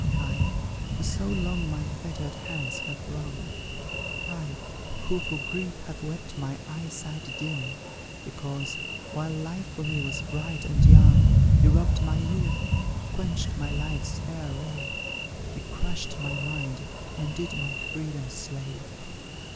I, who so long my fetter'd hands have wrung; I, who for grief have wept my eyesight dim; Because, while life for me was bright and young, He robb'd my youth he quench'd my life's fair ray He crush'd my mind, and did my freedom slay.